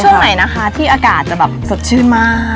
ช่วงไหนนะคะที่อากาศจะแบบสดชื่นมาก